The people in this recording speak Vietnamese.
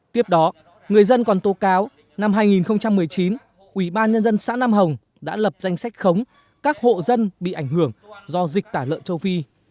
tiếp đó người dân còn tố cáo năm hai nghìn một mươi chín ủy ban nhân dân xã nam hồng đã lập danh sách khống các hộ dân bị ảnh hưởng do dịch tả lợn châu phi